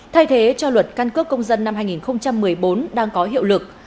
thay thế cho luật căn cước công dân năm hai nghìn một mươi bốn đang có hiệu lực